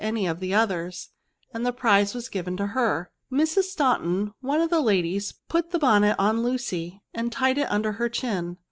any of the others, and the prize was given to her. Mrs. Staunton, one of the ladies, put the bonnet on Lucy^ and tied it under her chin.